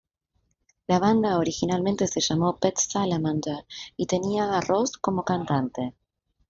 La banda originalmente se llamó Pet Salamander y tenía a Ross como cantante.